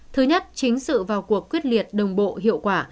thứ nhất chính sự vào cuộc quyết liệt đồng bộ hiệu quả